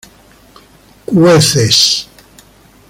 cueces